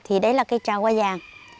thì đấy là cây trà hoa vàng